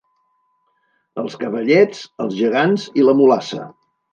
Els Cavallets, els Gegants i la Mulassa.